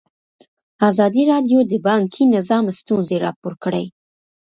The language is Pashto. ازادي راډیو د بانکي نظام ستونزې راپور کړي.